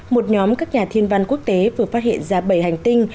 một nhóm các nhà thiên văn quốc tế vừa phát hiện ra bảy hành tinh